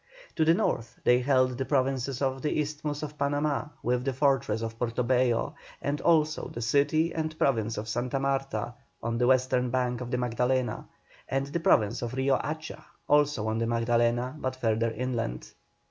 To the north they held the Provinces of the Isthmus of Panama, with the fortress of Portobello, and also the city and Province of Santa Marta on the western bank of the Magdalena, and the Province of Rio Hacha, also on the Magdalena, but further inland.